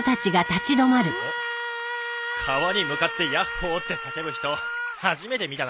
川に向かって「ヤッホー！」って叫ぶ人初めて見たな。